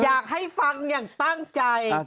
อยากให้ฟังอย่างตั้งใจ